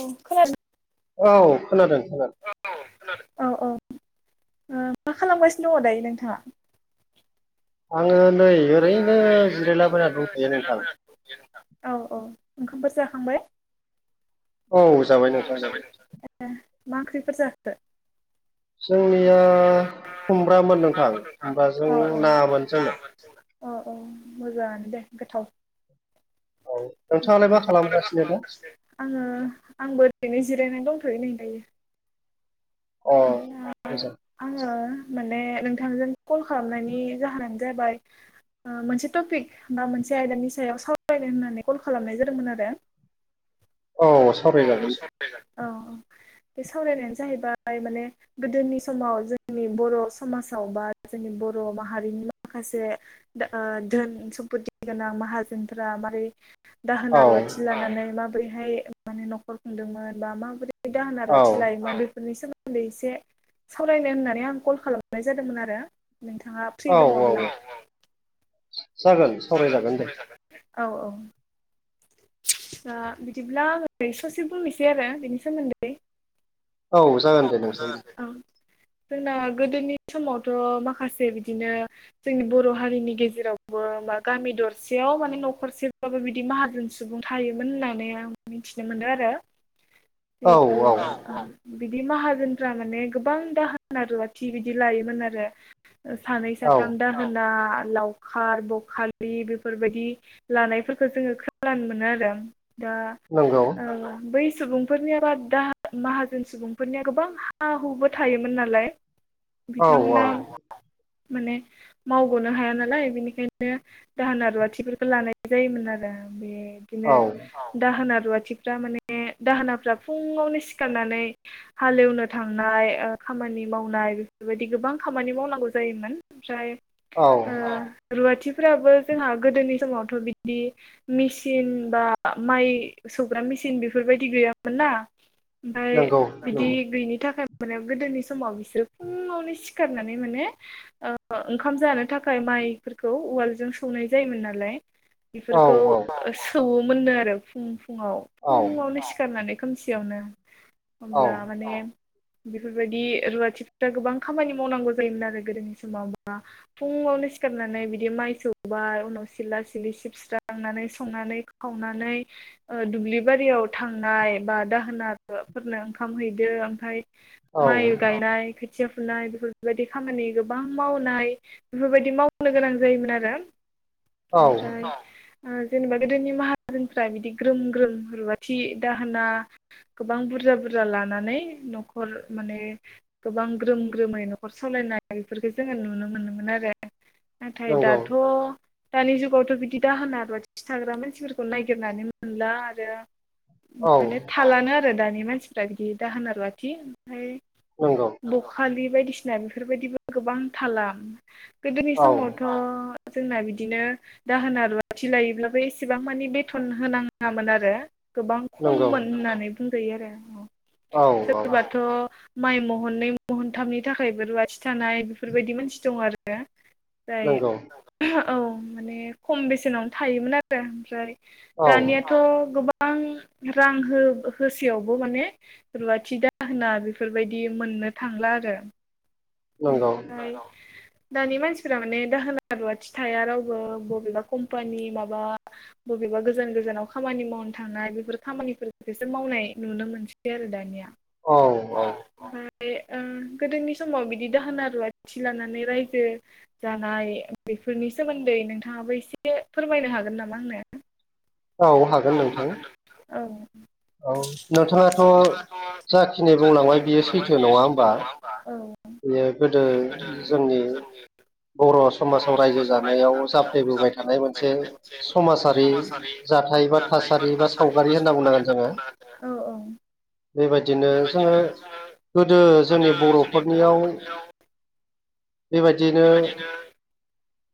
औ खोनादों? औ खोनादों खोनादों। औ औ ओ मा खालामगासिनो दङ दायो नोंथाङा? आङो नै ओरैनो जिरायलाबायना दंथ'यो नोंथां। औ औ ओंखामफोर जाखांबाय? औ जाबाय नोंथां जाबाय ए मा ओंख्रिफोर जाखो? जोंनिया खुमब्रामोन नोंथां खुमब्राजों नामोन जोंना। अ अ मोजाङानो दे गोथाव औ मा नोंथाङालाय मा खालामगासिनो दा खालामगासिनो आङो आंबो ओरैनो जिरायनानै दंथ'यो नै दायो अ ओमफ्राय बुजा आङो माने नोंथांजों कल खालामनायनि जाहोनानो जाबाय ओ मोनसे टपिक बा मोनसे आयदानि सायाव सावरानो होननानै कल खालामनाय जादोंमोन आरो औ सावरायजागोन दे। औ औ बे सावरायनायानो जाहैबाय माने गोदोनि समाव जोंनि बर' समाजाव बा जोंनि बर' माहारिनि माखासे दा धोन सम्पथि गोनां माहाजोनफोरा मारै दाहोन औ रुवाथि लानानै माबोरैहाय माने न'खर खुंदोंमोन बा माबोरै दाहोन औ रुवाथि लायोमोन बेफोरनि सोमो उन्दै एसे सावरायनो होननानै आं कल खालामनाय जादोंमोन आरो नोंथाङा फ्रि औ औ दङब्ला जागोन जागोन सावरायजागोन दे सावरायजागोन औ औ दा बिदिब्ला आङो ससे बुंनोसै आरो बेनि सोमोन्दै औ जागोन दे औ नोंथां जागोन दे औ जोंना गोदोनि समावथ' माखासे बिदिनो जोंनि बर' हारिनि गेजेरावबो मा गामि दरसेयाव माने न'खरसेबाबो बिदि माहाजोन सुबुं थायोमोन होननानै आं मिथिनो मोनदों आरो औ जिहेथु औ बिदि माहाजोनफ्रा माने गोबां दाहोना रुवाथि बिदि लायोमोन आरो सानै औ साथाम दा होना लावखार बखालि बेफोरबायदि लानायफोरखौ जोङो खो खोनानो मोनो आरो दा नंगौ ओ बै सुबुंफोरनिया बा दा माहाजोन सुबुंफोरनिया गोबां हा हुबो थायोमोन नालाय औ बिथांमोना औ माने मावग'नो हाया नालाय बिनिखायनो दाहोना रुवाथिफोरखौ लानाय जायोमोन आरो बेदिनो औ दाहोना रुवाथिफ्रा माने दाहोनाफ्रा फुङावनो सिखारनानै हालेवनो थांनाय ओ खामानि मावनाय बेफोरबायदि गोबां खामानि मावनांगौ जायोमोन ओमफ्राय औ ओ रुवाथिफोराबो जोंहा गोदोनि समावथ' बिदि मेचिन बा माइ सौग्रा मेचिन बेफोरबायदि गैयामोन ना ओमफाय नंगौ बिदि नंगौ गैयिनि थाखाय माने गोदोनि समाव बिसोरो फुङावनो सिखारनानै माने ओ ओंखाम जानो थाखाय माइफोरखौ उवालजों सौनाय जायोमोन नालाय औ बेफोरखौ औ सौवोमोननो आरो फुं फुङाव औ फुङावनो सिखारनानै खोमसियावनो औ अब्ला माने बेफोरबायदि रुवाथिफोरा गोबां खामानि मावनांगौ जायोमोन आरो गोदोनि समाव मा फुङावनो सिखारनानै बिदि माइ सौबाय उनाव सिला सिलि सिबस्रांनानै संनानै खावनानै ओ दुब्लि बारियाव थांनाय बा दाहोना फोरनो ओंखाम हैदो ओमफाय माइ गायनाय खोथिया फुनाय बेफोरबायदि खामानि गोबां मावनाय बेफोरबायदि मावनो गोनां जायोमोन आरो औ ओमफ्राय ओ जेनेबा गोदोनि माहाजोनफ्रा बिदि ग्रोम ग्रोम रुवाथि दाहोना गोबां बुरजा बुरजा लानानै न'खर माने गोबां ग्रोम ग्रोमै न'खर सालायनाय बेफोरखौ जोङो नुनो मोनोमोन आरो नाथाय नंगौ दाथ' दानि जुगावथ' बिदि दाहोना रुवाथि थाग्रा मानसिफोरखौ नायगिरनानै मोनला आरो औ माने थालानो आरो दानि मानसिफ्रा बिदि दाहोना रुवथि ओमफ्राय नंगौ ब‌ खालि बायदिसिना बेफोरबायदिबो गोबां थाला गोदोनि औ समावथ' [unintelligible] जोंना दिनो दाहोना रुवाथि लायोब्लाबो एसेबां मानि बेथन होनाङामोन आरो गोबां नंगौ खममोन होननानै बुंजायो आरो औ औ सोरबाथ' माइ महनै महनथामनि थाखायबो रुवाथि थानाय बेफोरबायदि मानसि दं आरो जाय नंगौ औ माने खम बेसेनावनो थायोमोन आरो ओमफ्राय औ दानिया थ' गोबां रां हो होसेयावबो माने रुवाथि दाहोना बेफोरबायदि मोननो थांला आरो नंगौ [unintelligible] दानि मानसिफोरा माने दाहोना रुवाथि थाया रावबो बबेबा कम्पानि माबा बबेबा गोजान गोजानाव खामानि मावनो थांनाय बेफोर खामानिसो मावनाय नुनो मोनसै जेल दानिया औ औ [unintelligible] गोदोनि समाव बिदि दाहोना रुवाथि लानानै रायजो जानाय बेफोरनि सोमोन्दै नोंथाङाबो एसे फोरमायनो हागोन नामा आंनो? औ हागोन नोंथां [unintelligible] औ औ नोंथाङाथ' जाखिनि बुंलांबाय बियो सैथो नङा होमबा? औ बेयो गोदो जोंनि बर' समाजाव रायजो जानायाव जाफ्लेबोबाय थानाय मोनसे समाजारि जा थाय [unintelligible] औ औ बेबायदिनो जोङो गोदो जोंनि बर'फोरनियाव बेबायदियैनो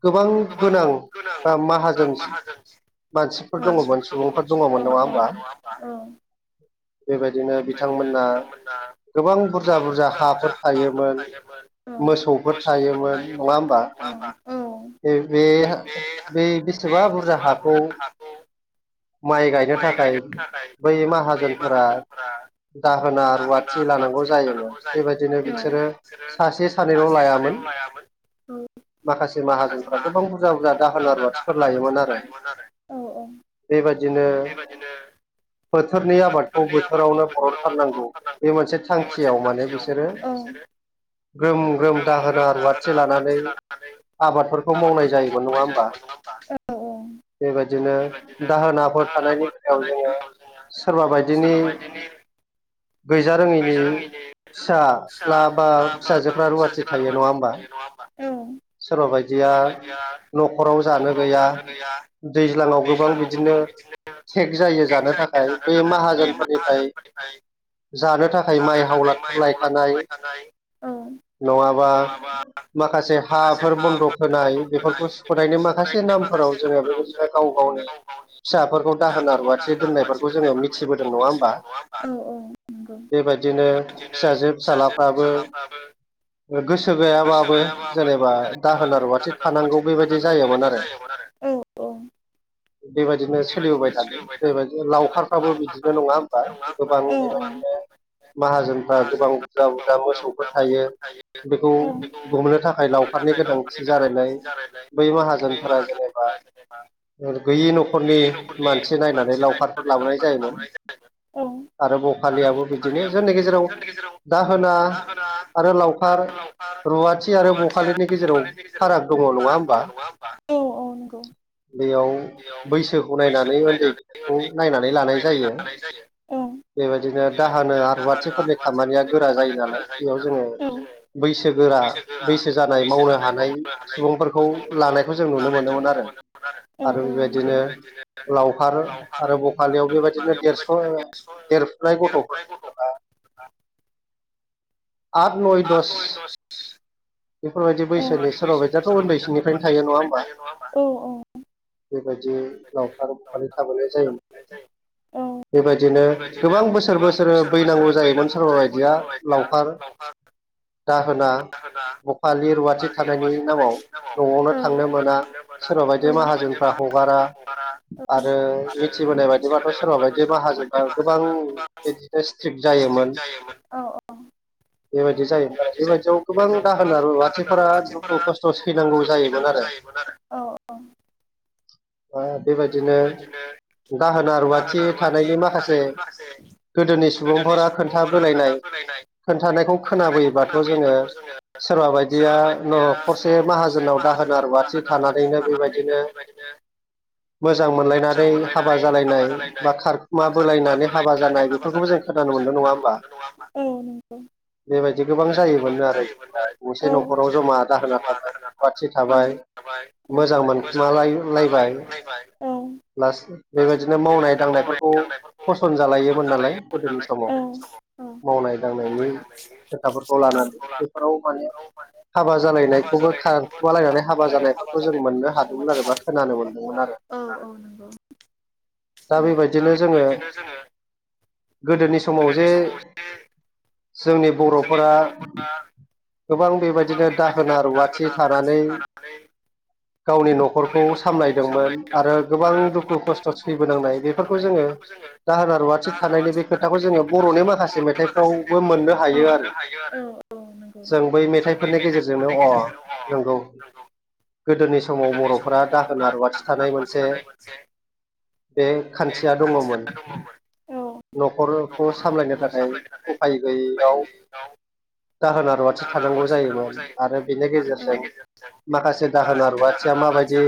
गोबां गोनां बा माहाजोन मानसि औ दङ'मोन सुबुंफोर औ दङ'मोन औ नङा औ होमबा बेबायदिनो बिथांमोना गोबां बुरजा बुरजा हाफोर थायोमोन मोसौफोर थायोमोन नङा होमबा? [unintelligible] औ बे बै बेसेबा बुरजा हाखौ माइ गायनो थाखाय बै माहाजोनफोरा फ्रा दाहोना रुवाथि लानांगौ जायोमोन बेबायदिनो बिसोरो सासे सानैल' सासे सानै लायामोन लायामोन माखासे माहाजोनफ्रा गोबां बुरजा बुरजा दाहोना रुवाथिफोर लायोमोन आरो। औ औ बेबायदिनो बोथोरनि आबादखौ बोथोरावनो बरन थारनांगौ बे मोनसे थांखियाव माने बिसोरो ग्रोम ग्रोम दाहोना रुवाथि लानानै आबादफोरखौ मावनाय जायोमोन [unintelligible] नङा होमबा औ औ बेबायदिनो दाहोनाफोर थानायनि बेलायाव जोङो सोरबा बायदिनि गैजारोङैनि फिस ला बा फिसाजोफ्रा रुवाथि थायो नङा होमबा? औ सोरबा बायदिया न'खराव जानो गैया दैज्लाङाव गोबां बिदिनो थेक जायो जानो थाखाय बै माहाजोनफोरनिफ्राय जानो थाखाय माइ हावलादफोर लायखानाय [unintelligible] ओ नङाबा माखासे हाफोर बन्द'क होनाय बेफोरखौ सुख'नायनि माखासे नामफोराव जोङो बेबायदि गाव गावनि दाहोना फिसाफोरखौ रुवाथि दाहोना-रुवाथि जोङो दोननायफोरखौ मिथिबोदों जोङो नङा होमबा मिथिगौ नङा होमबा? औ औ नंगौ बेबायदिनो बेबायदिनो फिसाजो फिसालाफ्राबो फिसाजो-फिसाज्लाफ्राबो गोसो गैयाबाबो जेनेबा दाहोना रुवाथि थानांगौ बेबायदि जायोमोन आरो। औ औ बेबायदिनो सोलिबोबाय थादों बेबायदिनो लावखारफ्राबो बिदिनो नङा होमबा? गोबां उ उ बेबायदिनो माहाजोनफ्रा गोबां बुरजा बुरजा मोसौफोर थायो बेखौ औ गुमनो था खाय लावखारनि गोनांथि जानायलाय बै माहाजोनफोरा जेनेबा गैयि न'खरनि मानसि नायनानै लावखारफोर लाबोनाय जायोमोन। औ। आरो बखालियाबो बिदिनो जोंनि गेजेराव दाहोना आरो लावखार रुवाथि आरो बखालिनि गेजेराव फाराग दङ। नङा होमबा? नंगौ बैयाव बैयाव बैसोखौ नायनानै उन्दै लानाय नायनानै जायो लानाय जायो। औ बेबायदिनो दाहोना-रुवाथिफोरनि खामानिया गोरा जायो नालाय बेयाव जोङो बैसोगोरा बैसो जानाय मावनो हानाय सुबुंफोरखौ लानायखौ जों नुनो मोनोमोन आरो। आरो बेबायदिनो लावखार आरो बखालियाव बेबायदिनो देरस' देर- फुनाय गथ'फोर- [unintelligible] आट नय दस। बेफोरबायदि औ बैसोनि सोरबा बादियाथ' उन्दैसनिफ्रायनो थायो। नङा होमबा? औ औ बेबायदि लावखार बखालि थाबोनाय जायोमोन। औ बेबायदिनो गोबां बोसोर बोसोर बैनांगौ जायोमोन। सोरबा बायदिया लावखार दाहोनना ब- खालि, रुवाथि थानायनि नामाव न'आवनो थांनो मोना औ सोरबा बायदि माहाजोनफ्रा हगारा आरो मिथिबोनाय बायदिबाथ' सोरबा बायदि माहाजोना गोबां बिदिनो स्ट्रिक जायोमोन। औ बेबायदि जायोमोन आरो बेबायदियाव गोबां दाहोना-रुवाथिफोरा दुखु-खस्थ' सैनांगौ जायोमोन आरो। औ दा बेबायदिनो दाहोना-रुवाथि थानायनि माखासे [unintelligible] गोदोनि सुबुंफोरा खोन्थाबोलायनाय खोन्थानायखौ खोनाबोयोबाथ' जोङो सोरबा बायदिया न'खरसे माहाजोनाव दाहोना-रुवाथि थानानैनो बेबायदिनो मोजां मोनलायनानै हाबा जालायनाय बा खारखोम बोलायनानै हाबा जानाय बेफोरखौबो जों खोनानो मोनदों। नङा होमबा? औ नंगौ बेबायदि गोबां जायोमोननो आरो। गंसे औ न'खराव मोनसे जमा न'खराव दाहोना जमा थाबाय दाहोना रुवाथि थाबाय औ औ मोजां मोनखुमाला-लायबाय। औ लासै बेबायदिनो मावनाय-दांनायफोरखौ फसन जालायोमोन नालाय गोदोनि औ समाव। औ मावनाय-दांनायनि खोथाफोरखौ लानानै बेफोराव माने हाबा जालायनायखौबो खारखोमा लायनानै हाबा जानायफोरखौ जों मोननो हादोंमोन आरो बा- खोनानो मोन्दों। औ औ नंगौ। दा बेबायदिनो जोङो गोदोनि समाव जे जोंनि बर'फोरा गोबां बेबायदिनो दाहोना-रुवाथि थानानै गावनि न'खरखौ सामलायदोंमोन आरो गोबां दुखु खस्थ' सैबोनांनाय बेफोरखौ जोङो दाहोना रुवाथि थानायनि बे खोथाखौ जोङो बर'नि माखासे मेथाइफ्रावबो मोननो हायो आरो। जों बै मेथाइफोरनि गेजेरजोंनो अ नंगौ। गोदोनि समाव बर'फोरा दाहोन रुवाथि थानाय मोनसे। बे खान्थिया दङ'मोन। न'खरखौ सामलायनो थाखाय उफाय गैयैयाव औ दाहोना रुवाथि थानांगौ जायोमोन आरो बेनि गेजेरजों माखासे दाहोना रुवाथिया माबायदि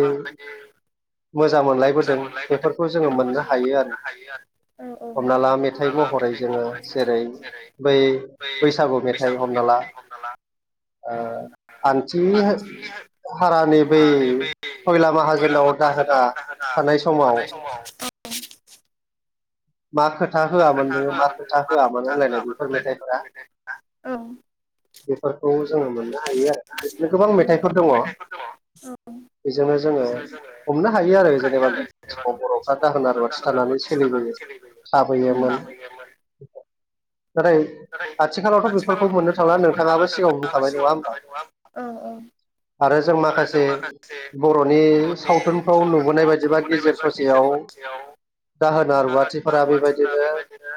मोजां मोनलायबोदों बेफोरखौ जोङो मोननो हायो आरो। गोबांफोर हमना ला मेथाइ महरै जोङो जेरै बै बैसागु मेथाइ हमना ला हमनाला आ आथि हारानि बै खयला माहाजोनाव दाहोना थानाय समाव मा खोथा होआमोन नोङो मा खोथा होआोन होनलायनाय बेफोर मेथाइफोरा औ। बेफोरखौ जोङो मोननो हायो बिदिनो गोबां मेथाइफोर दङ'। बेजोंनो जोङो हमनो हायो आरो जेनेबा समाव बर'फ्रा दाहोना रुवाथि थानानै सोलिबोयो। [unintelligible] नाथाय आथिखालावथ' बे मोननो थांला नोंथाङाबो सिगाव बुंखाब नङा होमबा? औ। औ। आरो जों माखासे बर'नि सावथुनफ्राव नुबोनाय बायदिबा गेजेर ससेयाव दाहोना रुवाथिफोरा बेबायदि सोरा बेबायदिनो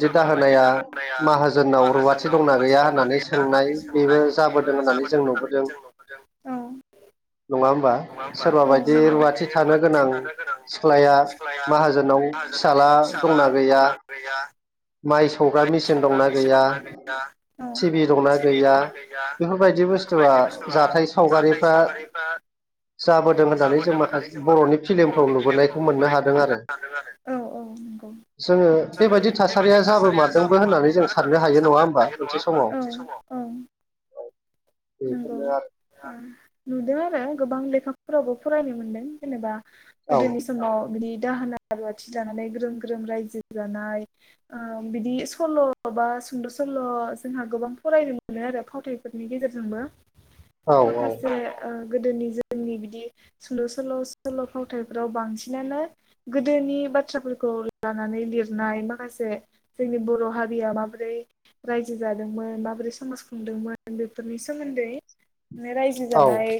सोरबा बायदि दाहोन लाया। माहाजोननाव रुवाथि माहाजोननाव रोंगाथि दंना होननानै गैया सोंनाय होननानै बेबो सोंनाय बेबो जाबोदों जों होननानै नुबोदों जों नुबोदों। नङा होमबा? सोरबा बायदि रुवाथि थानो गोनां सिख्लाया माहाजोनाव फिसाज्ला दंना गैया? गैया माइ सौग्रा मेचिन दंना गैया? टिभि दंना गैया? गैया बेफोरबायदि बुस्थुआ बेफोरबायदि बुस्थुआ जाथाय जाथाय सावगारिफ्रा संगारिफ्रा जाबोदों होननानै जों माखासे बर'नि फिल्मखौ नुबोनायखौ मोननो हादों आरो। जोङो बेबायदि थ बेबायदि थासारिया जाबो मादोंबो होननानै जों हायो नङा साननो होमबा हायो नङा मोनसे होनोमब्ला? समाव मोनसे समाव। बे होननो नुदों आरो गोबां लेखाफोरावबो फरायनो मोनदों, जेनेबा आरो गोदोनि समाव बिनि दाहोना रुवाथि जानानै ग्रोम ग्रोम रायजो जानाय। बिदि सल' बा सुंद' सल' जोंहा गोबां फरायनो मोनो आरो फावथाय फोरनि गेजेरजोंबो [inaudible] माखासे गोदोनि जोंनि बिदि सुंल' सल' सल' फावथायफोराव बांसिनानो गोदोनि बाथ्राफोरखौ लानानै लिरनाय माखासे जोंनि बर' हारिया माबोरै रायजो जादोंमोन माबोरै समाज खुंदोंमोन? बेफोरनि सोमोन्दै न रायजो औ जानाय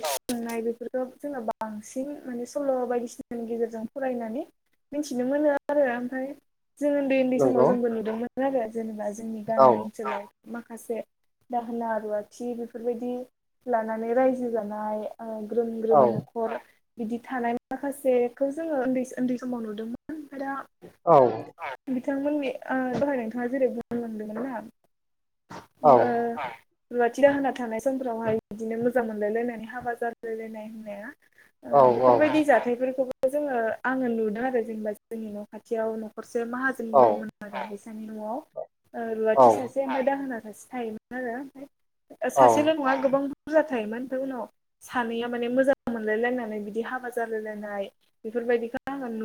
बेफोरखौ [unintelligible] बांसिन माने सल' बायदिसिनानि गेजेरजों फरायनानै मिथिनो मोनो आरो, ओमफ्राय जोङो उन्दै उन्दै नंगौ समाव जोंबो नुदोंमोन आरो जेनेबा जोंनि औ गामि ओनसोलाव माखासे दाहोना रुवाथि बेफोरबायदि लानानै रायजो जानाय, ग्रोम ग्रोम औ न'खर हर बिदि थानाय माखासेखौ जोङो उन्दै उन्दै समाव नुदोंमोन ओमफ्राय दा औ उम बिथांमोननि दहाय नोंथाङा जेरै बुंनो मोनदोंमोन ना औ ओ रुवाथि दाहोना थानाय समफ्रावहाय बिदिनो मोजां मोनलायलायनानै हाबा जानो रनाय होननाया औ बेफोरबायदि जाथायफोरखौबो जोङो आङो नुदों आरो जेनेबा जोंनि न' खाथियाव न'खरसे माहाजोननि औ दंमोन। [unintelligible] ओ न'आव रुवाथि सासे ओमफ्राय दाहोना सासे थायोमोन आरो, ओमफ्राय ओ औ औ सासेल' नङा गोबां बुरजा थायोमोन, ओयफाय उनाव सानैया माने मोजां मोनलायलायनानै बिदि हाबा जालायलायनाय बेफोरबायदिखौ आङो नु